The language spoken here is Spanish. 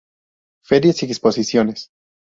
Ferias y exposiciones